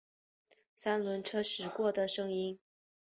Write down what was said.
三轮车驶过的声音